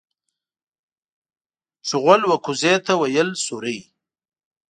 چغول و کوزې ته ويل سورۍ.